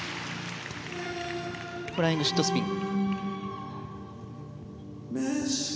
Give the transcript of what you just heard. フライングシットスピン。